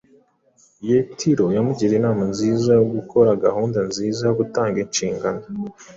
Yetiro yamugiriye inama yo gukora gahunda nziza yo gutanga inshingano.